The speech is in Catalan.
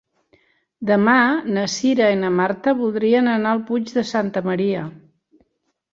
Demà na Cira i na Marta voldrien anar al Puig de Santa Maria.